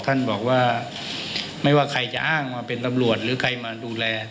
ท่านบอกว่าไม่ว่าใครจะอ้างว่าเป็นตำรวจหรือใครมาดูแล